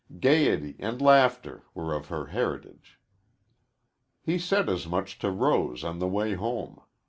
Gayety and laughter were of her heritage. He said as much to Rose on the way home.